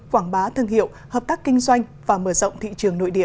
quảng bá thương hiệu hợp tác kinh doanh và mở rộng thị trường nội địa